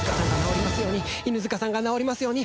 犬塚さんが治りますように。